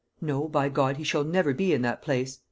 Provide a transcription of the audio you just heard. No, by God, he shall never be in that place!"